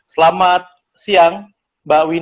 selamat siang mbak wina